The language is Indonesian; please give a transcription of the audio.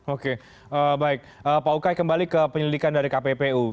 oke baik pak ukay kembali ke penyelidikan dari kppu